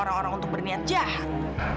orang orang untuk berniat jahat